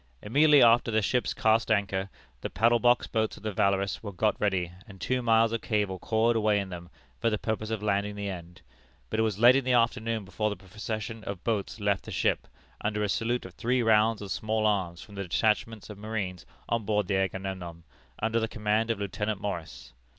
Immediately after the ships cast anchor, the paddle box boats of the Valorous were got ready, and two miles of cable coiled away in them, for the purpose of landing the end; but it was late in the afternoon before the procession of boats left the ship, under a salute of three rounds of small arms from the detachment of marines on board the Agamemnon, under the command of Lieutenant Morris.